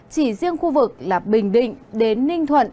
chỉ riêng khu vực là bình định đến ninh thuận